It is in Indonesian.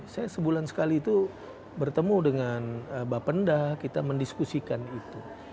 saya sebulan sekali itu bertemu dengan bapenda kita mendiskusikan itu